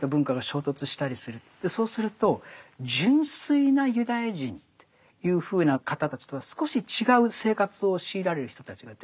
そうすると純粋なユダヤ人というふうな方たちとは少し違う生活を強いられる人たちが出てくる。